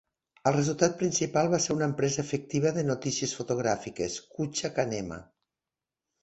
El resultat principal va ser una empresa efectiva de notícies fotogràfiques, Kucha Kanema.